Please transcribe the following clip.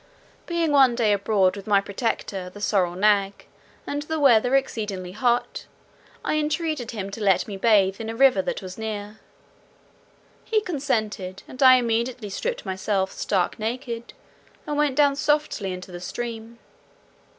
Being one day abroad with my protector the sorrel nag, and the weather exceeding hot, I entreated him to let me bathe in a river that was near. He consented, and I immediately stripped myself stark naked, and went down softly into the stream.